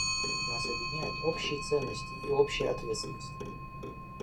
Нас объединяют общие ценности и общая ответственность.